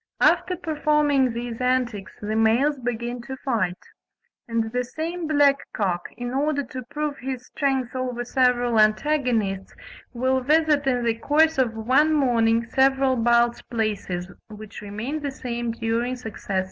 After performing these antics the males begin to fight: and the same black cock, in order to prove his strength over several antagonists, will visit in the course of one morning several Balz places, which remain the same during successive years.